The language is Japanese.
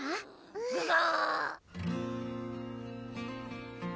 うんぐが！